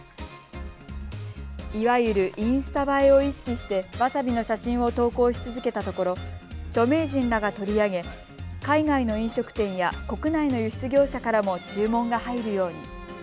いわゆるインスタ映えを意識してわさびの写真を投稿し続けたところ著名人らが取り上げ海外の飲食店や国内の輸出業者からも注文が入るように。